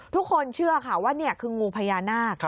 ทุกคนเชื่อค่ะว่านี่คืองูพญานาค